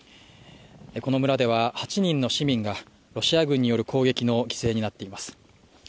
この村では８人の市民がロシア軍による攻撃の犠牲になっています。